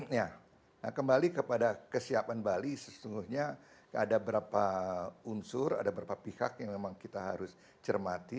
nah kembali kepada kesiapan bali sesungguhnya ada berapa unsur ada berapa pihak yang memang kita harus cermati